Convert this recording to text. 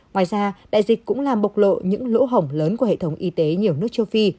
ngoài ra đại dịch cũng làm bộc lộ những lỗ hổng lớn của hệ thống y tế nhiều nước châu phi